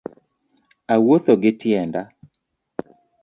Awuotho gi tienda